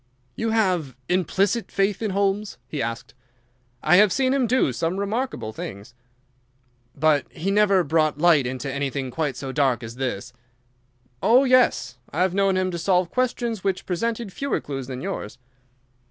"You have implicit faith in Holmes?" he asked. "I have seen him do some remarkable things." "But he never brought light into anything quite so dark as this?" "Oh, yes; I have known him solve questions which presented fewer clues than yours."